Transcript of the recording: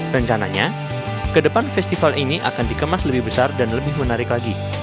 rencananya ke depan festival ini akan dikemas lebih besar dan lebih menarik lagi